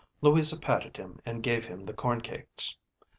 Louisa patted him and gave him the corn cakes.